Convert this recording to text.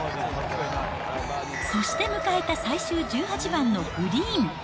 そして迎えた最終１８番のグリーン。